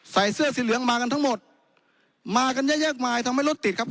ใส่เสื้อสีเหลืองมากันทั้งหมดมากันเยอะแยกมายทำให้รถติดครับ